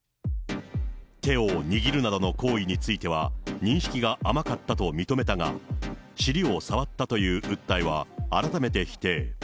手を握るなどの行為については、認識が甘かったと認めたが、尻を触ったという訴えは改めて否定。